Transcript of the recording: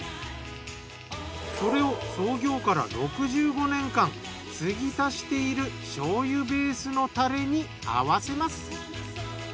それを創業から６５年間継ぎ足している醤油ベースのたれに合わせます。